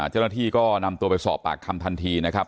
เจ้าหน้าที่ก็นำตัวไปสอบปากคำทันทีนะครับ